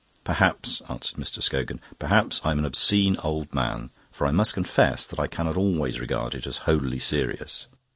"Perhaps," answered Mr. Scogan, "perhaps I'm an obscene old man. For I must confess that I cannot always regard it as wholly serious."